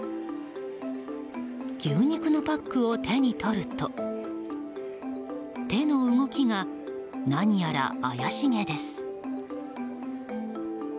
牛肉のパックを手に取ると手の動きが何やら怪しげです。